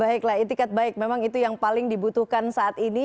baiklah etikat baik memang itu yang paling dibutuhkan saat ini